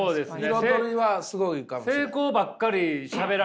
彩りはすごいかもしれない。